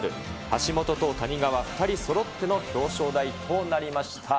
橋本と谷川２人そろっての表彰台となりました。